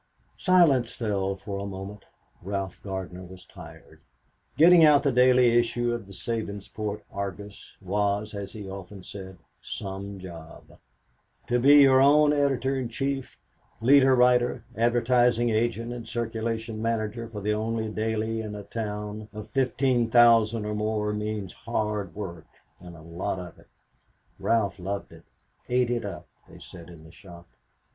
Silence fell for a moment. Ralph Gardner was tired. Getting out the daily issue of the Sabinsport Argus was, as he often said, "Some job." To be your own editor in chief, leader writer, advertising agent and circulation manager for the only daily in a town of 15,000 or more means hard work and a lot of it. Ralph loved it, "ate it up," they said in the shop.